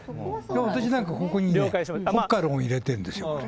私なんかここにね、ホカロン入れてるんです。